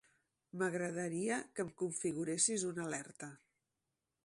M'agradaria que em configuressis una alerta.